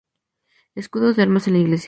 Escudos de armas en la iglesia